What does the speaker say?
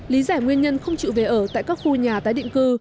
lý giải nguyên nhân không chịu về ở tại các khu nhà tái định cư